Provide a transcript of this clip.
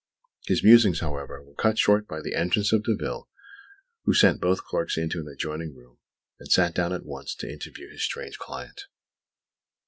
His musings, however, were cut short by the entrance of Derville, who sent both clerks into an adjoining room, and sat down at once to interview his strange client.